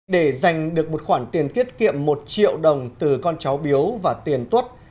để giành được một khoản tiền kiết kiệm một triệu đồng từ con cháu biếu và tiền tuốt